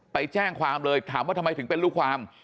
ไปแจ้งความเลยถามว่าทำไมถึงเป็นลูกความ